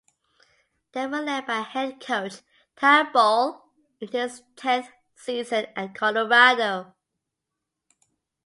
They were led by head coach Tad Boyle in his tenth season at Colorado.